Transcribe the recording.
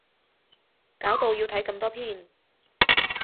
搞到要睇咁多篇